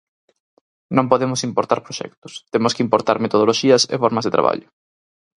Non podemos importar proxectos, temos que importar metodoloxías e formas de traballo.